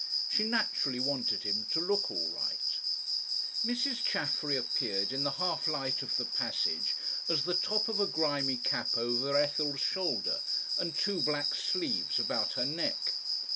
She naturally wanted him to look all right. Mrs. Chaffery appeared in the half light of the passage as the top of a grimy cap over Ethel's shoulder and two black sleeves about her neck.